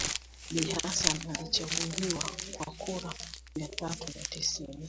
Bi Hassan alichaguliwa kwa kura mia tatu na tisini